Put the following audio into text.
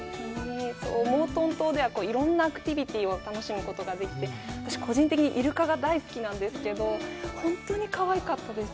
モートン島ではいろんなアクティビティを楽しむことができて、個人的にイルカが大好きなんですけど、本当にかわいかったです。